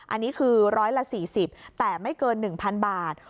อันนี้คือ๑๔๐แต่ไม่เกิน๑๐๐๐บาท